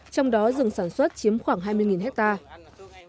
trong đó rừng sản xuất chiếm khoảng hai mươi hectare